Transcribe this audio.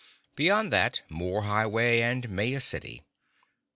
Beyond that, more highway and Maya City.